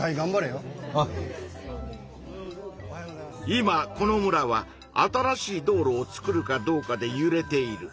今この村は新しい道路をつくるかどうかでゆれている。